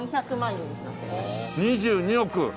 ２２億。